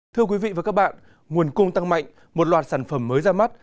thưa quý vị và các bạn nguồn cung tăng mạnh một loạt sản phẩm mới ra mắt